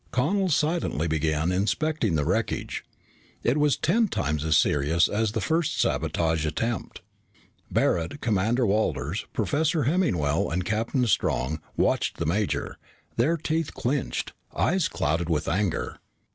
Connel silently began inspecting the wreckage. It was ten times as serious as the first sabotage attempt. Barret, Commander Walters, Professor Hemmingwell, and Captain Strong watched the major, their teeth clenched, eyes clouded with anger.